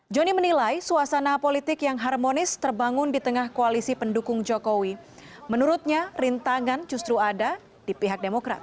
joni menilai suasana politik yang harmonis terbangun di tengah koalisi pendukung jokowi menurutnya rintangan justru ada di pihak demokrat